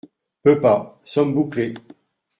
Peux pas, sommes bouclés !…